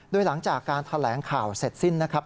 โดยหลังจากการแถลงข่าวเสร็จสิ้นนะครับ